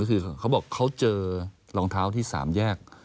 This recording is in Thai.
ก็คือเขาบอกเขาเจอรองเท้าที่๓แยก